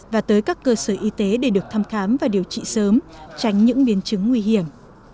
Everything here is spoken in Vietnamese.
và tới các cơ sở y tế để được thăm khám và điều trị sớm tránh những biến chứng nguy hiểm